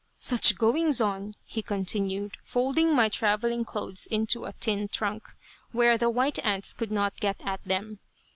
"Such goings on," he continued, folding my travelling clothes into a tin trunk, where the white ants could not get at them.